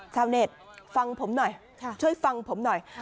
ชาวเน็ตฟังผมหน่อยช่วยฟังผมหน่อย